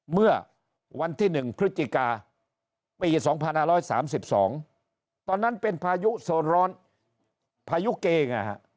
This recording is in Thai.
เมื่อวันที่๑พฤศจิกาปี๒๕๓๒ตอนนั้นเป็นพายุโซนร้อนพายุเกไงฮะ